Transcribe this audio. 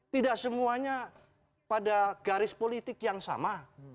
tidak semuanya pada garis politik yang sama